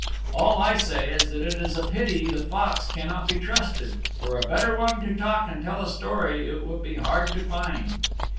All I say is that it is a pity the Fox cannot be trusted, for a better one to talk and tell a story it would be hard to find.